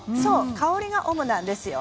香りが主なんです。